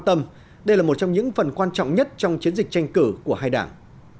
tâm đây là một trong những phần quan trọng nhất trong chiến dịch tranh cử của hai đảng